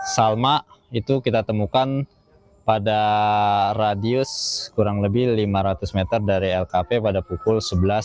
salma itu kita temukan pada radius kurang lebih lima ratus meter dari lkp pada pukul sebelas tiga puluh